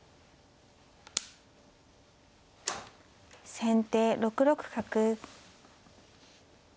先手６六角。